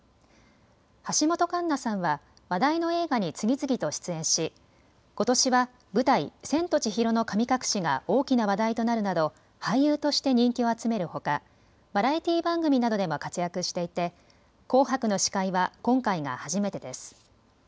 橋本環奈さんは話題の映画に次々と出演しことしは舞台、千と千尋の神隠しが大きな話題となるなど俳優として人気を集めるほかバラエティー番組などでも活躍していて紅白の司会は今回が初めてです。